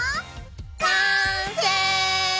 完成！